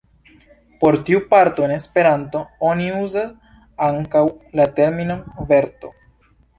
Por tiu parto en Esperanto oni uzas ankaŭ la terminon "verto".